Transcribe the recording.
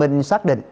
công an tp hcm